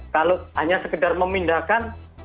kalau hanya sekedar memindahkan